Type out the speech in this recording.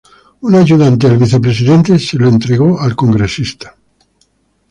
Una ayudante del Vicepresidente se lo entregó al Congresista.